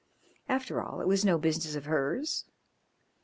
After all it was no business of hers.